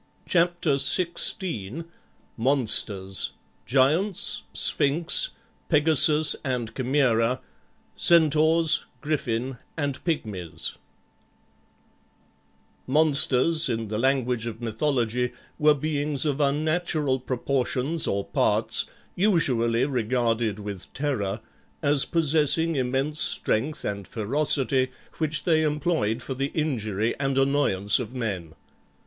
CHAPTER XVI MONSTERS GIANTS, SPHINX, PEGASUS AND CHIMAERA, CENTAURS, GRIFFIN, AND PYGMIES Monsters, in the language of mythology, were beings of unnatural proportions or parts, usually regarded with terror, as possessing immense strength and ferocity, which they employed for the injury and annoyance of men.